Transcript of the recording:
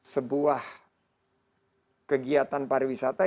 sebuah kegiatan pariwisata